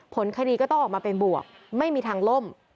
ผลคดีก็ต้องออกมาเป็นบวกไม่มีทางล่ม